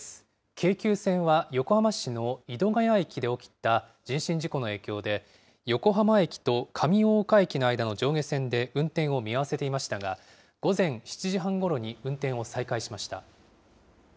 京急線は、横浜市のいどがや駅で起きた人身事故の影響で、横浜駅と上大岡駅の間の上下線で運転を見合わせていましたが、午前７時半ごろに運転を再開しました。